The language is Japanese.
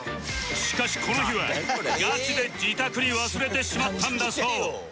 しかしこの日はガチで自宅に忘れてしまったんだそう